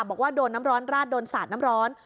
บอกว่าโดนน้ำร้อนราดโดนสาดน้ำร้อน